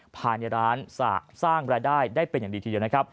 ภายในร้านสร้างรายได้ได้เป็นอย่างดีทีเดียวนะครับ